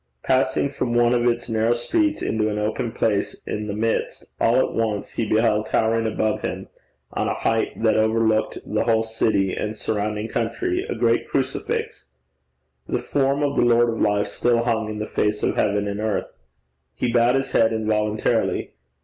Passing from one of its narrow streets into an open place in the midst, all at once he beheld, towering above him, on a height that overlooked the whole city and surrounding country, a great crucifix. The form of the Lord of Life still hung in the face of heaven and earth. He bowed his head involuntarily.